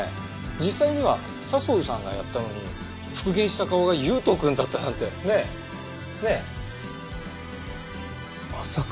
実際には佐相さんがやったのに復元した顔が悠斗くんだったなんて。ねえ？ねえ？まさか。